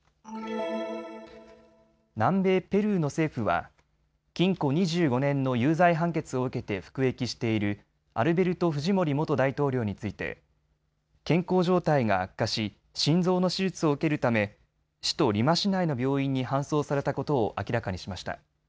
南米ペルーの政府は禁錮２５年の有罪判決を受けて服役しているアルベルト・フジモリ元大統領について健康状態が悪化し、心臓の手術を受けるため首都リマ市内の病院に搬送されたことを明らかにしました。